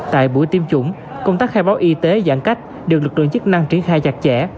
tại buổi tiêm chủng công tác khai báo y tế giãn cách được lực lượng chức năng triển khai chặt chẽ